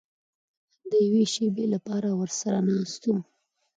د یوې شېبې لپاره ورسره ناست وم.